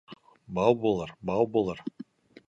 Бау булыр, бау булыр